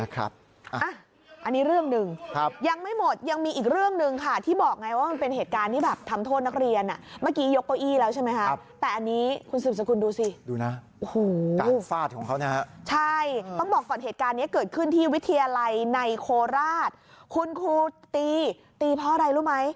คุณครูตีตีเพราะอะไรรู้ไหม